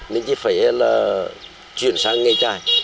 nên chứ phải là chuyển sang nghề trai